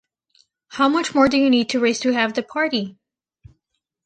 How much more do you need to raise to have the party?